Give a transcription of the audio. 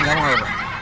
eh gue gak mau